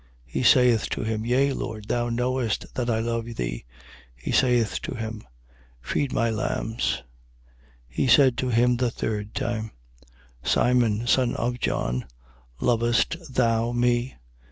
He saith to him: yea, Lord, thou knowest that I love thee. He saith to him: Feed my lambs. 21:17. He said to him the third time: Simon, son of John, lovest thou me?